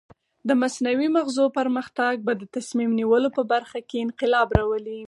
د مصنوعي مغزو پرمختګ به د تصمیم نیولو په برخه کې انقلاب راولي.